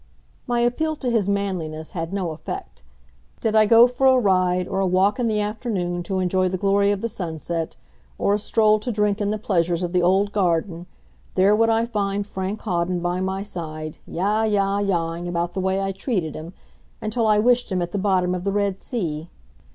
My appeal to his manliness had no effect. Did I go for a ride, or a walk in the afternoon to enjoy the glory of the sunset, or a stroll to drink in the pleasures of the old garden, there would I find Frank Hawden by my side, yah, yah, yahing about the way I treated him, until I wished him at the bottom of the Red Sea.